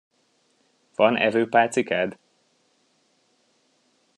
Van evőpálcikád?